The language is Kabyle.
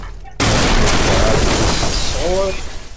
Fukeɣ adlis-nni s tɣuri.